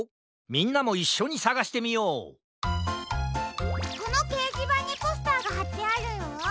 みんなもいっしょにさがしてみようこのけいじばんにポスターがはってあるよ。